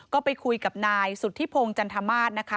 ก็ไปคุยกับนายสุธิพงศ์จันทมาสนะคะ